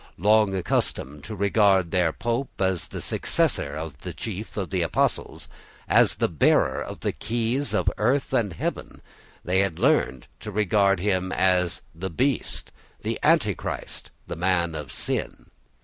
Long accustomed to regard the Pope as the successor of the chief of the apostles, as the bearer of the keys of earth and heaven, they had learned to regard him as the Beast, the Antichrist, the Man of Sin.